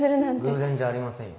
偶然じゃありませんよ。